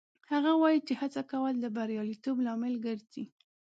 هغه وایي چې هڅه کول د بریالیتوب لامل ګرځي